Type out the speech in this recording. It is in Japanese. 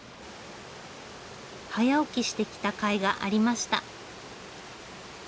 早起きして来たかいがありました。